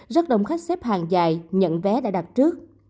rất đông khách xếp hàng dài nhận vé đã đặt trước